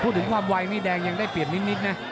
พูดถึงความวัยแดงยังได้เปลี่ยนนิดนะ